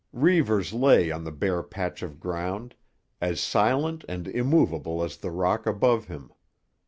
Reivers lay on the bare patch of ground, as silent and immovable as the rock above him.